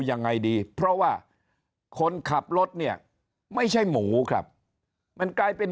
ยังไงดีเพราะว่าคนขับรถเนี่ยไม่ใช่หมูครับมันกลายเป็น